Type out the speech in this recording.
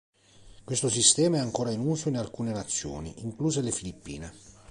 Questo sistema è ancora in uso in alcune nazioni, incluse le Filippine.